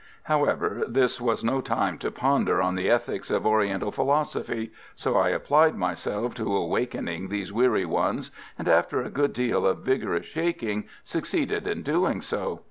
However, this was no time to ponder on the ethics of Oriental philosophy, so I applied myself to awakening these weary ones, and, after a good deal of vigorous shaking, succeeded in doing so.